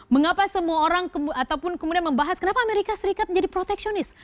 mengapa semua orang ataupun kemudian membahas kenapa amerika serikat menjadi proteksionis